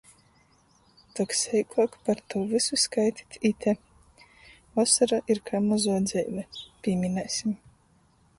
Tok seikuok par tū vysu skaitit ite. Vosora ir kai mozuo dzeive. Pīminēsim...